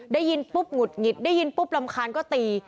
ได้ยินปุ๊บหงุดหงิดได้ยินปุ๊บรำคาญก็ตี